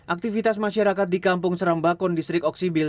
aktivitas masyarakat di kampung serambakon distrik oksibil